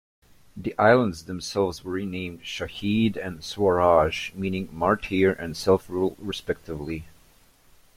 The islands themselves were renamed "Shaheed" and "Swaraj", meaning "martyr" and "self-rule" respectively.